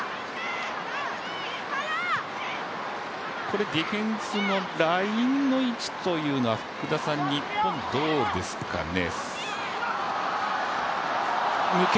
これディフェンスのラインの位置というのは、日本どうですかね。